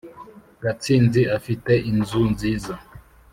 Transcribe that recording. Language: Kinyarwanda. Gatsinzi afite inzu nziza.